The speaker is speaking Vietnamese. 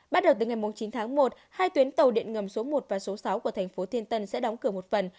bắt đầu từ ngày chín tháng một hai tuyến tàu điện ngầm số một và số sáu của thành phố thiên tân sẽ đóng cửa một phần